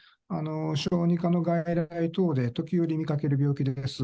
小児科の外来等で時折見かける病気です。